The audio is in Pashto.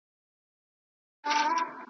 د زړه مېنه مي خالي ده له سروره .